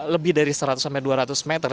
lebih dari seratus sampai dua ratus meter